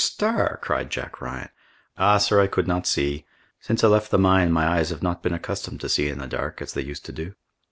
Starr!" cried Jack Ryan. "Ah, sir, I could not see. Since I left the mine, my eyes have not been accustomed to see in the dark, as they used to do."